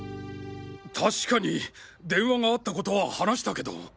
確かに電話があったことは話したけど。